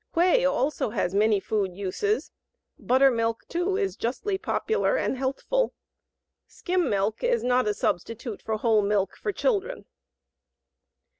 Whey also has many food uses. Buttermilk, too, is justly popular and healthful. Skim milk is not a substitute for whole milk for children.